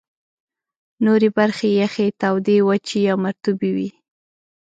نورې برخې یخي، تودې، وچي یا مرطوبې وې.